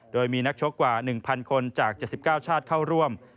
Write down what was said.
โดยมีนักชกกว่า๑๐๐คนจาก๗๙ชาติเข้าร่วม